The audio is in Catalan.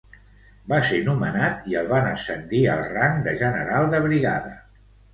Va ser nomenat i el van ascendir al rang de general de brigada.